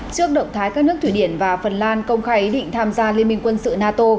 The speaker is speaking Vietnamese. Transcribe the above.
trước động thái các nước thủy điển và phần lan công khai ý định tham gia liên minh quân sự nato